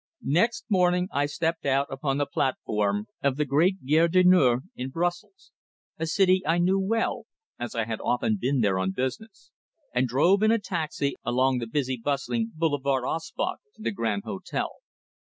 Next morning I stepped out upon the platform of the great Gare du Nord in Brussels a city I knew well, as I had often been there on business and drove in a taxi along the busy, bustling Boulevard Auspach to the Grand Hotel.